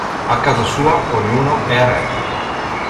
A casa sua ognuno è re.